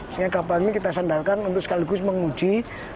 sehingga kapal ini kita sandalkan untuk sekaligus menguji